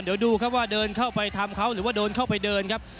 เดี๋ยวดูครับว่าเดินเข้าไปทำเขาหรือว่าเดินเข้าไปเดินครับ